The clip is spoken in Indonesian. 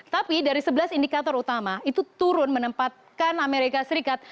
tapi dari sebelas indikator utama itu turun menempatkan amerika serikat